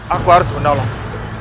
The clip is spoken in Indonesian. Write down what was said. aku harus menolongmu